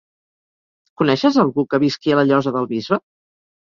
Coneixes algú que visqui a la Llosa del Bisbe?